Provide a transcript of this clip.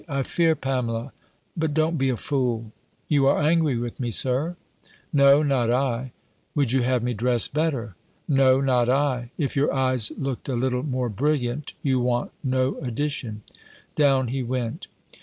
"I fear, Pamela But don't be a fool." "You are angry with me. Sir?" "No, not I." "Would you have me dress better?" "No, not I. If your eyes looked a little more brilliant, you want no addition." Down he went.